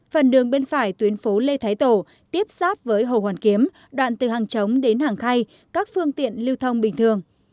phần đường bên phải tuyến phố lê thái tổ tiếp sát với hồ hoàn kiếm đoạn từ hàng chống đến hàng khay các phương tiện lưu thông bình thường